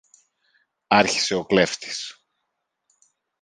άρχισε ο κλέφτης.